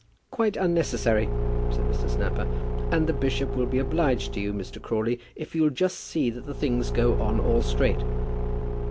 "Quite unnecessary," said Mr. Snapper. "And the bishop will be obliged to you, Mr. Crawley, if you'll just see that the things go on all straight."